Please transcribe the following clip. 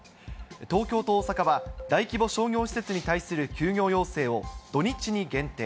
東京と大阪は、大規模商業施設に対する休業要請を土日に限定。